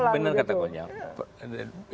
benar kata konyang